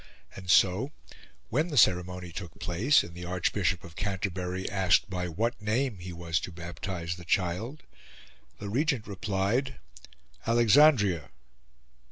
And so when the ceremony took place, and the Archbishop of Canterbury asked by what name he was to baptise the child, the Regent replied "Alexandria."